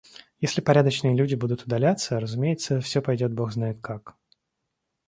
Если порядочные люди будут удаляться, разумеется, всё пойдет Бог знает как.